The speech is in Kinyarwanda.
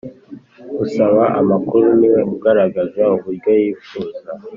Usaba amakuru ni we ugaragaza uburyo yifuza